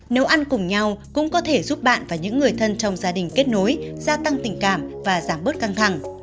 nếu ăn cùng nhau cũng có thể giúp bạn và những người thân trong gia đình kết nối gia tăng tình cảm và giảm bớt căng thẳng